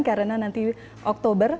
karena nanti oktober